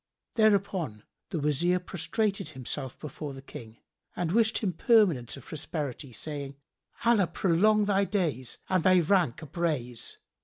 Thereupon the Wazir prostrated himself before the King and wished him permanence of prosperity, saying, "Allah prolong thy days and thy rank upraise!